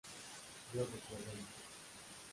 Yo recuerdo al muchacho.